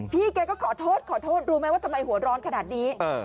พี่แกก็ขอโทษขอโทษรู้ไหมว่าทำไมหัวร้อนขนาดนี้